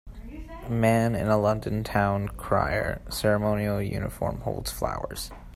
man in a London town crier ceremonial uniform holds flowers